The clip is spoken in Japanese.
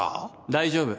大丈夫。